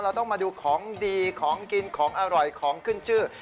ต้องมาดูของดีของกินของอร่อยของขึ้นชื่อ